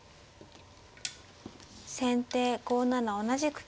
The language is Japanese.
先手５七同じく金。